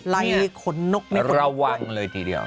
ไร้คนนกไม่คนนกด้วยระวังเลยตีเดียว